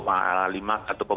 vaksinasi sampai sekarang sekitar